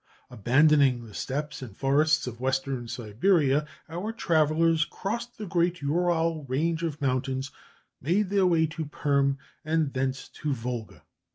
Abandoning the steppes and forests of Western Siberia, our travellers crossed the great Ural range of mountains, made their way to Perm, and thence to the Volga.